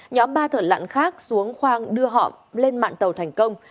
nhóm ba thợ lặn khác xuống khoang đưa họ lên mạng tàu thành công